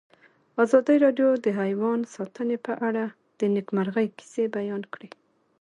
ازادي راډیو د حیوان ساتنه په اړه د نېکمرغۍ کیسې بیان کړې.